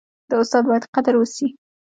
د استاد باید قدر وسي.